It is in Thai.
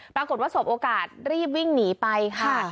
ปรากฏว่าสบโอกาสรีบวิ่งหนีไปค่ะ